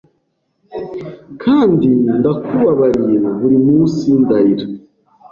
kandi ndakubabariyeBuri munsi ndarira